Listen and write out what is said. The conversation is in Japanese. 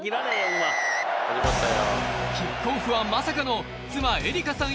キックオフはまさかの妻・恵梨佳さん